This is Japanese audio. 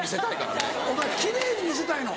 お前奇麗に見せたいの？